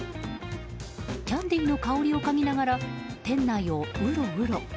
キャンディーの香りをかぎながら店内をうろうろ。